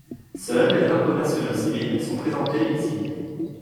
Seuls les drapeaux nationaux civils sont présentés ici.